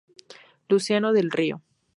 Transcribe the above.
Luciano Del Río